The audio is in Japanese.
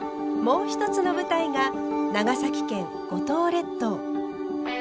もう一つの舞台が長崎県五島列島。